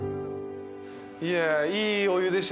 いやいいお湯でしたね